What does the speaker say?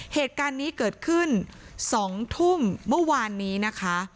เหตุการณ์นี้เกิดขึ้น๒ทุ่มเมื่อวานนี้นะคะ